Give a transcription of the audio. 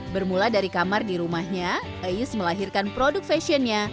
bermula dari kamar di rumahnya ais melahirkan produk fashionnya